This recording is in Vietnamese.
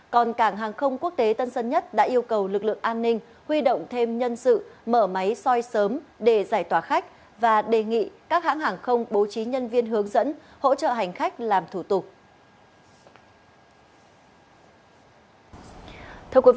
còn cảng hàng không quốc tế tân sơn nhất đã yêu cầu lực lượng an ninh huy động thêm nhân sự mở máy soi sớm để giải tỏa khách và đề nghị các hãng hàng không bố trí nhân viên hướng dẫn hỗ trợ hành khách làm thủ tục